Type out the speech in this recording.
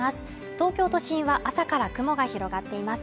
東京都心は朝から雲が広がっています。